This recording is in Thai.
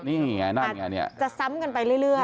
นี่ไงนั่นไงเนี่ยจะซ้ำกันไปเรื่อย